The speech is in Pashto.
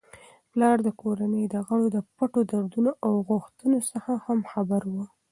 پلار د کورنی د غړو د پټو دردونو او غوښتنو څخه هم خبر وي.